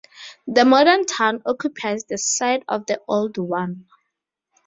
The modern town occupies the site of the old one.